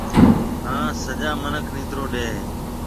ھان سجا مِنک نيترو ڏَي ھيََََ